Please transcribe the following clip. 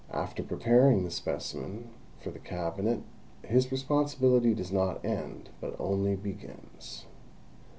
After preparing the specimen for the cabinet his responsibility does not end but only begins.